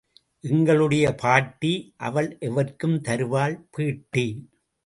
எங்களுடைய பாட்டி—அவள் எவர்க்கும் தருவாள் பேட்டி!